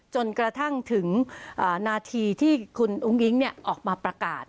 จนกระทั่งถึงนาทีที่คุณอุ้งอิ๊งออกมาประกาศ